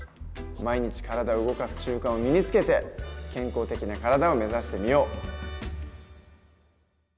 毎日体を動かす習慣を身につけて健康的な体を目指してみよう。